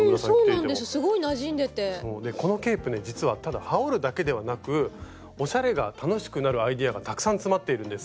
このケープね実は羽織るだけではなくおしゃれが楽しくなるアイデアがたくさん詰まっているんです。